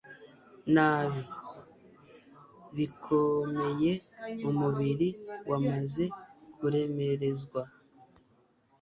nabi bikomeye umubiri wamaze kuremerezwa